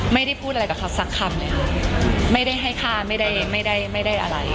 ไม่ได้พูดอะไรกับเขาสักคำเลยค่ะไม่ได้ให้ฆ่าไม่ได้ไม่ได้อะไร